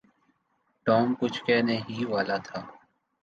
Tom کچھ کہنے ہی والا تھا۔